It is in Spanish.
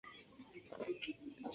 Santa Tecla